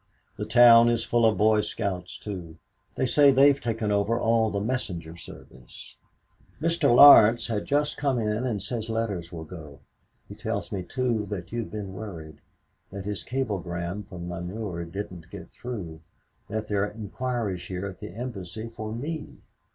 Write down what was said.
The town is full of boy scouts, too they say they've taken over all the messenger service. "Mr. Laurence had just come in and says letters will go. He tells me, too, that you've been worried that his cablegram from Namur didn't get through that there are inquiries here at the embassy for me.